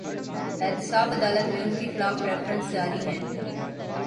احتساب عدالت میں ان کے خلاف ریفرنس جاری ہیں۔